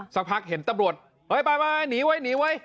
สักพักเห็นตำรวจเฮ้ยไปหนีไว้หนีเว้ย